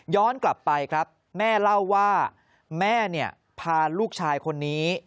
ย้อนกลับไปครับแม่เล่าว่าแม่พาลูกชายคนนี้